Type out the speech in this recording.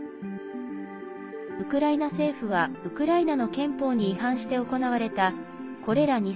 ウクライナ政府はウクライナの憲法に違反して行われたこれら